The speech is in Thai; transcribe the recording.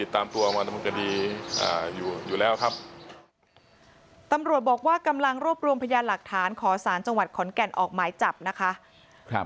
ตำรวจบอกว่ากำลังรบรวมพยาหลักฐานขอสารจังหวัดขอนแก่นออกหมายจับนะคะ